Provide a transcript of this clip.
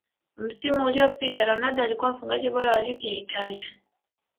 msimu uliyopita ronaldo alikuwa mfungaji bora wa ligi ya Italia